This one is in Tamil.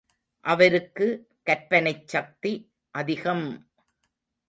அவருக்கு கற்பனைச் சக்தி அதிகம்!